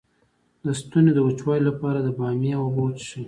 د ستوني د وچوالي لپاره د بامیې اوبه وڅښئ